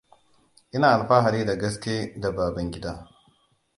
Ina alfahari da gaske da Babangida.